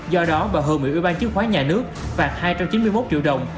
do đó bà hồ nguyễn ủy ban chức khoái nhà nước vạt hai trong chín mươi một triệu đồng